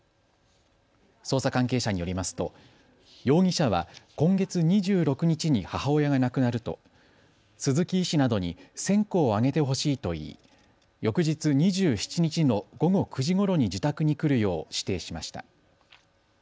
捜査関係者によりますと容疑者は今月２６日に母親が亡くなると鈴木医師などに線香を上げてほしいと言い翌日２７日の午後９時ごろに自宅に来るよう指定しました。